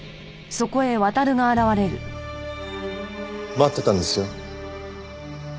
待ってたんですよ。